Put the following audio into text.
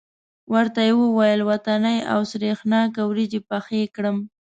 ورته یې وویل وطنۍ او سرېښناکه وریجې پخې کړم.